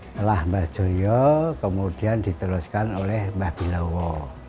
setelah mbah joyo kemudian diteruskan oleh mbah bilowo